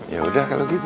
ya udah kalau gitu